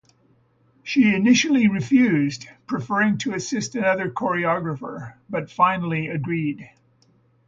She initially refused, preferring to assist another choreographer, but finally agreed.